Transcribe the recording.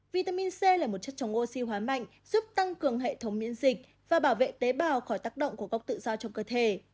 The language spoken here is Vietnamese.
vitamin c là một chất chống oxy hóa mạnh giúp tăng cường hệ thống miễn dịch và bảo vệ tế bào khỏi tác động của góc tự do trong cơ thể